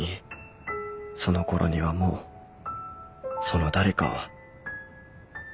そのころにはもうその誰かは